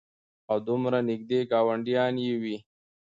او دومره نېږدې ګاونډيان وي